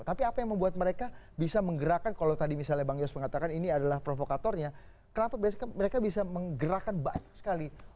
tapi apa yang membuat mereka bisa menggerakkan kalau tadi misalnya bang yos mengatakan ini adalah provokatornya kenapa mereka bisa menggerakkan banyak sekali